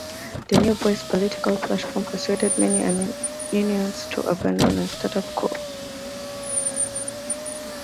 The New Voice political platform persuaded many unions to abandon the status quo.